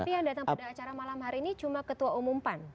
tapi yang datang pada acara malam hari ini cuma ketua umum pan